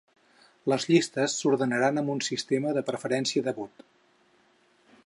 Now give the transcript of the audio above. Les llistes s’ordenaran amb un sistema de preferència de vot.